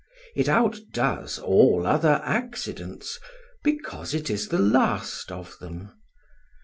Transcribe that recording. It outdoes all other accidents because it is the last of them.